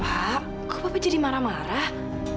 pak kok bapak jadi marah marah